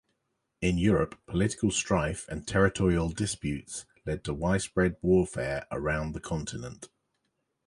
In Europe, political strife and territorial disputes led to widespread warfare around the continent.